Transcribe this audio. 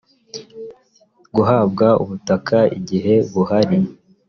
guhabwa ubutaka igihe buhari